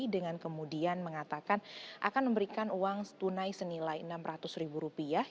dengan kemudian mengatakan akan memberikan uang tunai senilai enam ratus ribu rupiah